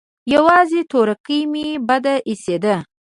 يوازې تورکى مې بد اېسېد.